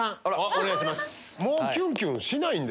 お願いします。